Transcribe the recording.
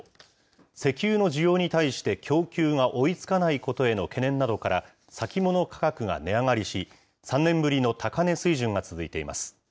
石油の需要に対して供給が追いつかないことへの懸念などから、先物価格が値上がりし、３年ぶりの高値水準が続いています。